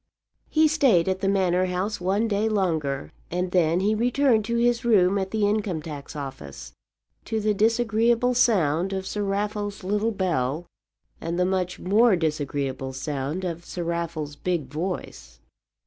He stayed at the Manor House one day longer, and then he returned to his room at the Income tax Office, to the disagreeable sound of Sir Raffle's little bell, and the much more disagreeable sound of Sir Raffle's big voice.